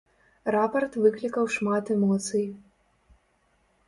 Рапарт выклікаў шмат эмоцый.